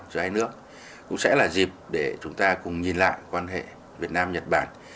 chứ hay nữa cũng sẽ là dịp để chúng ta cùng nhìn lại quan hệ việt nam nhật bản